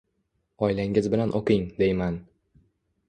Oilangiz bilan o‘qing, deyman.